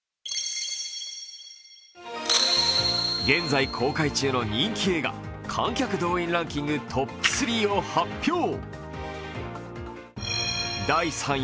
現在公開中の人気映画観客動員ランキングトップ３を発表。